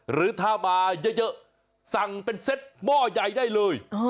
หรือถ้ามาเยอะสั่งเป็นเซ็ตหม้อใหญ่ได้เลย